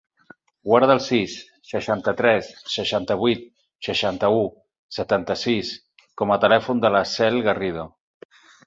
Guarda el sis, seixanta-tres, seixanta-vuit, seixanta-u, setanta-sis com a telèfon de la Cel Garrido.